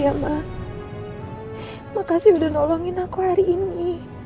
ya mbak makasih udah nolongin aku hari ini